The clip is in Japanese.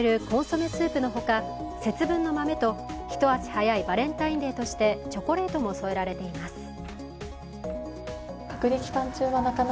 コンソメスープのほか、節分の豆と一足早いバレンタインデーとしてチョコレートも添えられています。